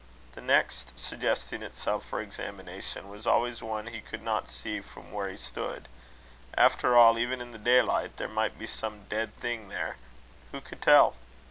The next suggesting itself for examination, was always one he could not see from where he stood: after all, even in the daylight, there might be some dead thing there who could tell?